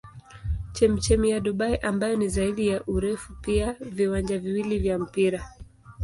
Chemchemi ya Dubai ambayo ni zaidi ya urefu wa viwanja viwili vya mpira.